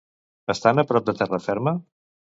Estan a prop de terra ferma?